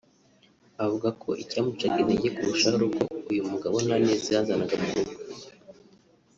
Avuga ko icyamucaga intege kurushaho ari uko uyu mugabo nta neza yazanaga mu rugo